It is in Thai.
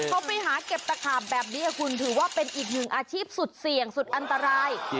เขาไปหาเก็บตะขาบแบบนี้คุณถือว่าเป็นอีกหนึ่งอาชีพสุดเสี่ยงสุดอันตราย